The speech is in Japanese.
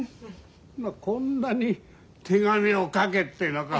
こんなに手紙を書けってのか。